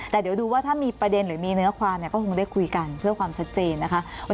แต่เดี๋ยวดูว่าถ้ามีประเด็นหรือมีเนื้อความก็คงได้คุยกันเพื่อความชัดเจนนะคะ